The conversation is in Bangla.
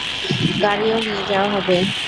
গাড়িও নিয়ে যাওয়া হবে।